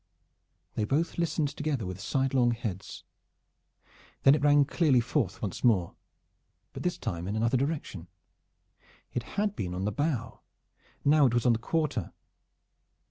They both listened together with sidelong heads. Then it rang clearly forth once more, but this time in another direction. It had been on the bow; now it was on the quarter.